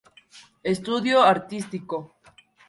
Estudio artístico.